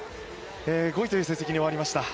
５位という成績に終わりました。